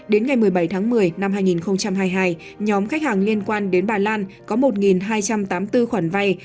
đến ngày một mươi bảy tháng một mươi năm hai nghìn hai mươi hai nhóm khách hàng liên quan đến bà lan có một hai trăm tám mươi bốn khoản vay